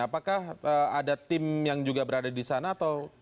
apakah ada tim yang juga berada di sana atau